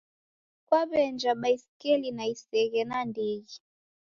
Kwawe'enja baisikeli na iseghe nandighi